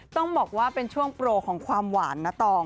ต้องบอกว่าเป็นช่วงโปรของความหวานนะตอง